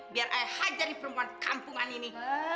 biar aku hajar nih perempuan kampungan ini